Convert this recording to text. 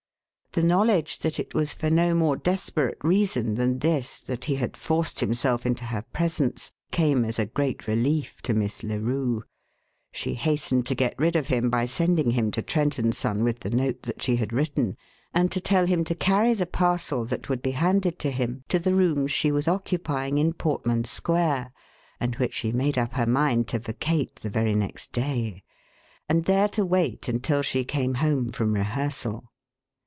The knowledge that it was for no more desperate reason than this that he had forced himself into her presence came as a great relief to Miss Larue. She hastened to get rid of him by sending him to Trent & Son with the note that she had written, and to tell him to carry the parcel that would be handed to him to the rooms she was occupying in Portman Square and which she made up her mind to vacate the very next day and there to wait until she came home from rehearsal.